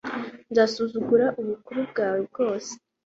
nzasuzugura ubukuru bwawe bwose